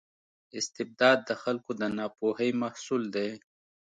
استبداد د خلکو د ناپوهۍ محصول دی.